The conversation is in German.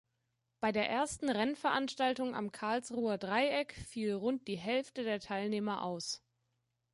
Bei der ersten Rennveranstaltung am Karlsruher Dreieck fiel rund die Hälfte der Teilnehmer aus.